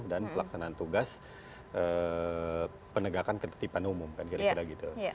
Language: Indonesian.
dan pelaksanaan tugas penegakan ketertiban umum kira kira gitu